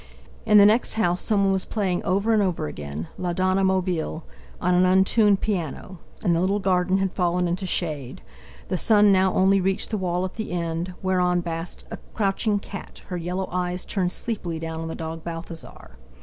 In the next house someone was playing over and over again: "La Donna è mobile" on an untuned piano; and the little garden had fallen into shade, the sun now only reached the wall at the end, whereon basked a crouching cat, her yellow eyes turned sleepily down on the dog Balthasar.